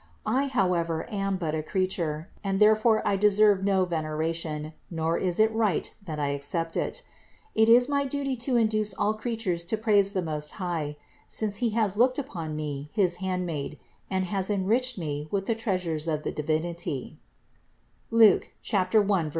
I, how ever, am but a creature and therefore I deserve no vener ation, nor is it right that I accept it; it is my duty to THE INCARNATION 357 induce all creatures to praise the Most High, since He has looked upon me, his handmaid, and has enriched me with the treasures of the divinity" (Luke 1, 48). 432.